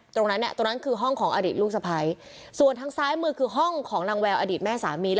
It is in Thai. ตรงนั้นตรงนั้นคือห้องของอดีตลูกสะพ้ายส่วนทางซ้ายมือคือห้องของนางแววอดีตแม่สามี